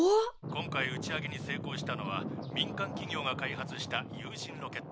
「今回打ち上げに成功したのは民間企業が開発した有人ロケットです。